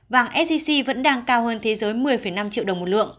vàng sgc vẫn đang cao hơn thế giới một mươi năm triệu đồng một lượng